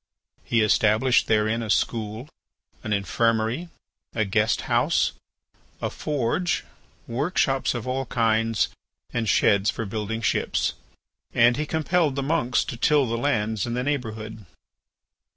He established therein a school, an infirmary, a guest house, a forge, work shops of all kinds, and sheds for building ships, and he compelled the monks to till the lands in the neighbourhood.